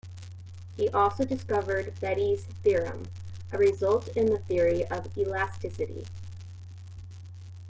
He also discovered Betti's theorem, a result in the theory of elasticity.